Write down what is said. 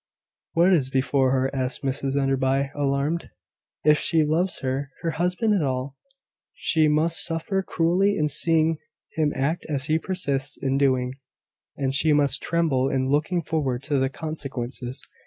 "What is before her?" ask Mrs Enderby, alarmed. "If she loves her husband at all, she must suffer cruelly in seeing him act as he persists in doing; and she must tremble in looking forward to the consequences.